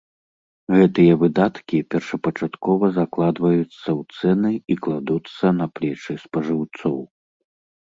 Гэтыя выдаткі першапачаткова закладваюцца ў цэны і кладуцца на плечы спажыўцоў.